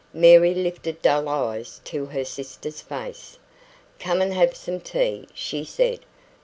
Mary lifted dull eyes to her sister's face. "Come and have some tea," she said.